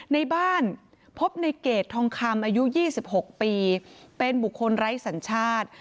ในบ้านพบในเกรดทองคำอายุ๒๖ปีเป็นบุคคลไร้สัญชาติ